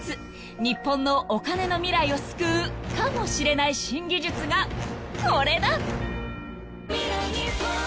日本のお金の未来を救うかもしれない新技術がこれだ］